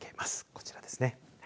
こちらですね